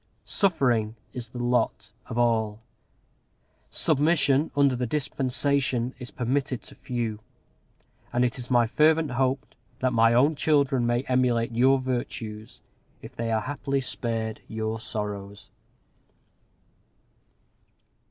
Suffering is the lot of all. Submission under the dispensation is permitted to few. And it is my fervent hope that my own children may emulate your virtues, if they are happily spared your sorrows.